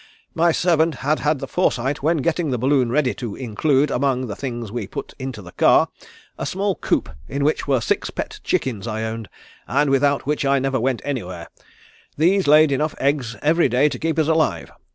My servant had had the foresight when getting the balloon ready to include, among the things put into the car, a small coop in which were six pet chickens I owned, and without which I never went anywhere. These laid enough eggs every day to keep us alive.